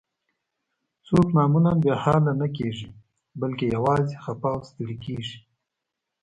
څوک معمولاً بې حاله نه کیږي، بلکې یوازې خفه او ستړي کیږي.